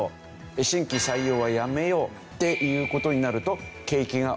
新規採用はやめようっていう事になると景気が